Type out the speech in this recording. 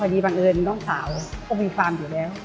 พอดีบังเอิญน้องสาวโอบรีฟาร์มอยู่แล้ว